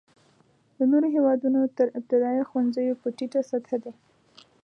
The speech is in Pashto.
د نورو هېوادونو تر ابتدایه ښوونځیو په ټیټه سطحه دی.